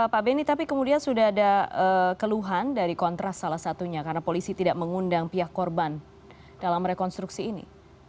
pak beni tapi kemudian sudah ada keluhan dari kontras salah satunya karena polisi tidak mengundang pihak korban dalam rekonstruksi ini